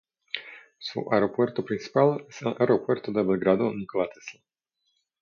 Su aeropuerto principal es el Aeropuerto de Belgrado-Nikola Tesla.